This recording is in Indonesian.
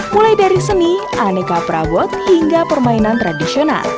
mulai dari seni aneka perabot hingga permainan tradisional